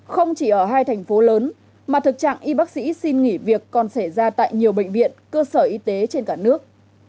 không chỉ ở hai thành phố lớn mà thực trạng y bác sĩ xin nghỉ việc còn xảy ra tại nhiều bệnh viện cơ sở y tế trên cả nước